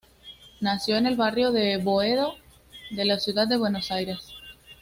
Nació en el barrio de Boedo de la ciudad de Buenos Aires.